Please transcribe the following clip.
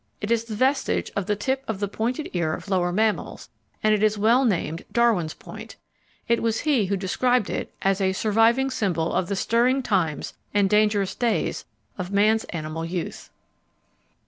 It is a vestige of the tip of the pointed ear of lower mammals, and it is well named Darwin's point. It was he who described it as a "surviving symbol of the stirring times and dangerous days of man's animal youth."